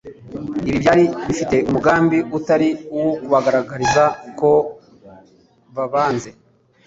Ibi byari bifite umugamb: utari uwo kubagaragariza ko babanze